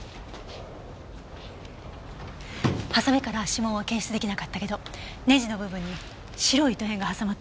ハサミから指紋は検出できなかったけどネジの部分に白い糸片が挟まっていたわ。